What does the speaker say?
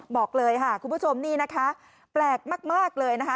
บอกเลยค่ะคุณผู้ชมนี่นะคะแปลกมากเลยนะคะ